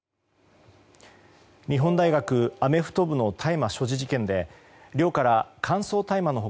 日本代表アメフト部の大麻所持事件で寮から乾燥大麻の他